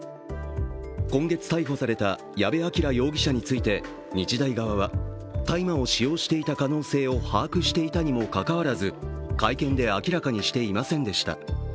今月逮捕された矢部鑑羅容疑者について日大側は大麻を使用していた可能性を把握していたにもかかわらず、会見で明らかにしていませんでした。